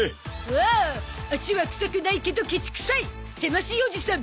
おお足は臭くないけどケチくさいせましおじさん